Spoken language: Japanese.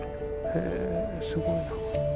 へすごいな。